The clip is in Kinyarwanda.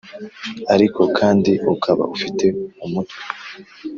ariko kandi ukaba ufite umutwe.